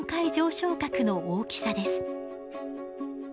床核の大きさです。